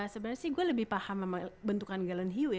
sebenernya sih gue lebih paham sama bentukan gallant hue ya